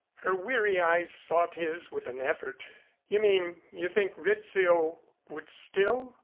Her weary eyes sought his with an effort. "You mean you think Rizzio would still